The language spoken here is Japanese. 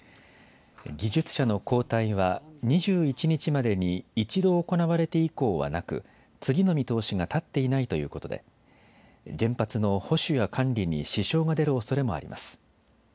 技術者の交代は２１日までに１度行われて以降はなく次の見通しが立っていないということで原発の保守や管理に支障が出るおそれもあります。